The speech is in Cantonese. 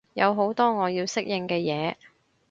有好多我要適應嘅嘢